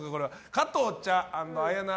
加藤茶＆綾菜